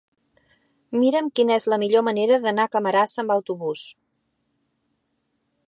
Mira'm quina és la millor manera d'anar a Camarasa amb autobús.